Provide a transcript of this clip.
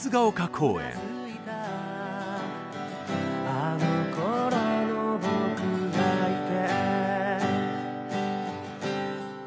「あの頃の僕がいて」